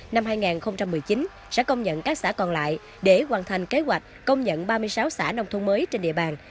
năm hai nghìn một mươi chín sẽ công nhận các xã còn lại để hoàn thành kế hoạch công nhận ba mươi sáu xã nông thôn mới trên địa bàn